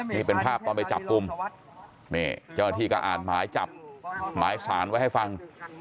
นี่เป็นภาพตอนไปจับกลุ่มนี่เจ้าหน้าที่ก็อ่านหมายจับหมายสารไว้ให้ฟัง